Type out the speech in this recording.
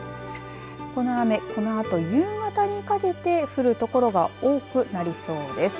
この雨このあと夕方にかけて降る所が多くなりそうです。